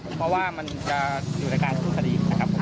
เพราะว่ามันจะอยู่ในการสู้คดีนะครับ